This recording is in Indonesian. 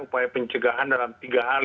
upaya pencegahan dalam tiga hari